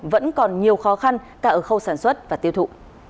vẫn còn nhiều khó khăn cả ở khâu sản xuất và tiêu thụ